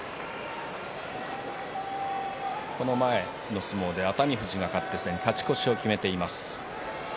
この前の相撲で熱海富士が勝って勝ち越しを決めています。